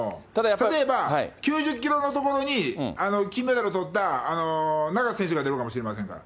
例えば９０キロのところに、金メダルをとった、永瀬選手が出るかもしれませんから。